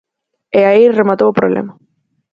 E aí rematou o problema.